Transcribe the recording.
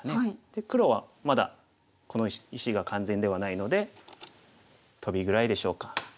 で黒はまだこの石が完全ではないのでトビぐらいでしょうか。